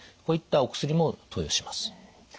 こういったお薬も投与します。